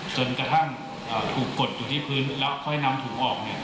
จนกระทั่งถูกกดอยู่ที่พื้นแล้วค่อยนำถุงออก